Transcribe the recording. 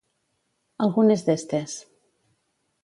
Algunes d'estes.